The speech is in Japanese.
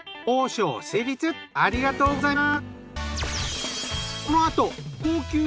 ありがとうございます。